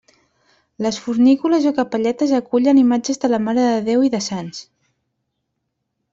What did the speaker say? Les fornícules o capelletes acullen imatges de la marededéu i de sants.